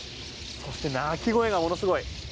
そして鳴き声がものすごい強い。